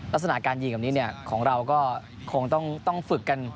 ลักษณะการยิงอันนี้เนี่ยของเราก็คงต้องต้องฝึกกัน